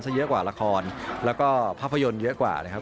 เยอะกว่าละครแล้วก็ภาพยนตร์เยอะกว่านะครับ